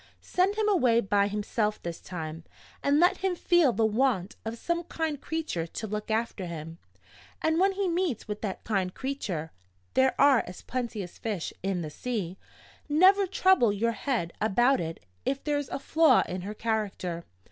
Send him away by himself this time; and let him feel the want of some kind creature to look after him. And when he meets with that kind creature (they are as plenty as fish in the sea), never trouble your head about it if there's a flaw in her character.